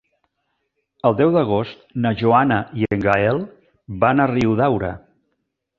El deu d'agost na Joana i en Gaël van a Riudaura.